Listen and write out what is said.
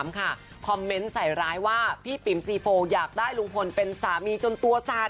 คอมเมนต์ใส่ร้ายว่าพี่ปิ๋มซีโฟอยากได้ลุงพลเป็นสามีจนตัวสั่น